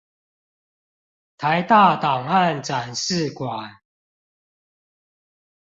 臺大檔案展示館